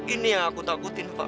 ini yang aku takutin pak